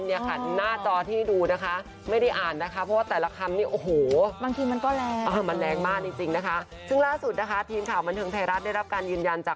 หน้าจอที่ดูไม่ได้อ่านเพราะว่าแต่ละคำนี้โอ้โห